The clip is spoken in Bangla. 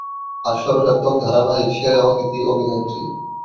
হাস্যরসাত্মক ধারাবাহিকে সেরা অতিথি অভিনেত্রী